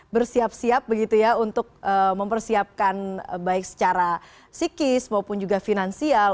bersiap siap untuk mempersiapkan baik secara sikis maupun juga finansial